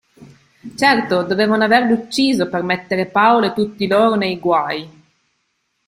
Certo, dovevano averlo ucciso per mettere Paolo e tutti loro nei guai.